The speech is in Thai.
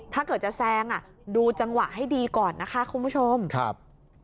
ถ้าเกิดจะแซงอ่ะดูจังหวะให้ดีก่อนนะคะคุณผู้ชมครับ